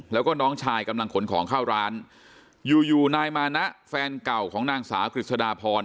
แล้วก็น้องชายกำลังขนของเข้าร้านอยู่อยู่นายมานะแฟนเก่าของนางสาวกฤษฎาพร